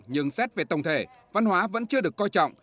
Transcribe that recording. nhưng xét về tổng thể văn hóa vẫn chưa được coi trọng